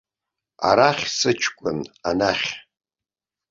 Арахь сыҷкәын, анахь.